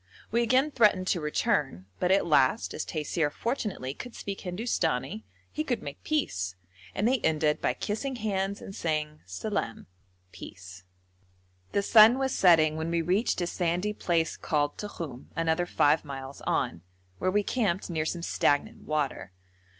We again threatened to return, but at last, as Taisir fortunately could speak Hindustani, he could make peace, and they ended by kissing hands and saying salaam (peace). The sun was setting when we reached a sandy place called Tokhum (another 5 miles on), where we camped near some stagnant water.